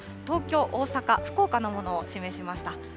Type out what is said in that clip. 東京、大阪、福岡のものを示しました。